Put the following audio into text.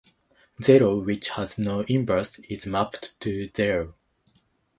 Zero, which has no inverse, is mapped to zero.